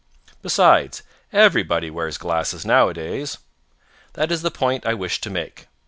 Besides, everybody wears glasses nowadays. That is the point I wish to make.